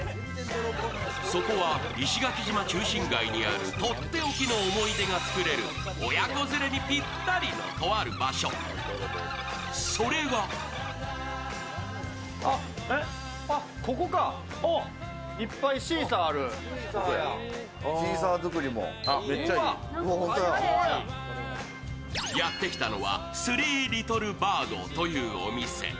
そこは石垣島中心街にあるとっておきの思い出が作れる親子連れにぴったりのとある場所、それがやってきたのはＴｈｒｅｅｌｉｔｔｌｅｂｉｒｄｓというお店。